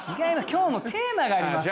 今日のテーマがありますから。